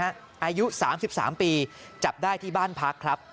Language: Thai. อายุ๓๓ปีจับได้ที่บ้านพักครับ